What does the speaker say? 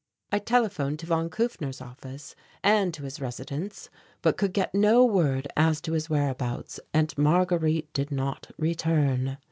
I telephoned to von Kufner's office and to his residence but could get no word as to his whereabouts, and Marguerite did not return.